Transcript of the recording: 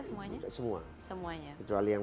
semuanya semuanya kecuali yang